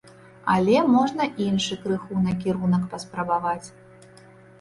Але можна іншы крыху накірунак паспрабаваць.